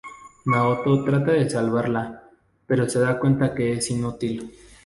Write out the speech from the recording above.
Naoto trata de salvarla pero se da cuenta que es inútil.